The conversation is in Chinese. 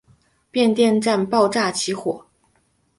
变电箱爆炸起火。